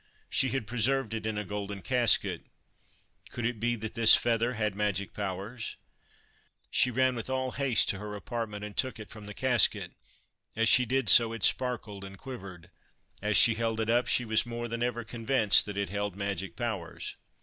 She had preserved it in a golden casket. Could it be that this feather had magic powers ? She ran with all haste to her apartment, and took it from the casket. As she did so, it sparkled and quivered. As she held it up she was more than ever convinced that it held magic powers.